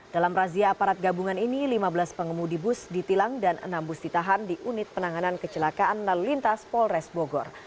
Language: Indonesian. dalam razia aparat gabungan ini lima belas pengemudi bus ditilang dan enam bus ditahan di unit penanganan kecelakaan lalu lintas polres bogor